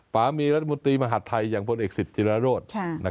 ป๊ามีรัฐมนตรีมหาธัยอย่างพลเอกสิทธิ์จิลละรถ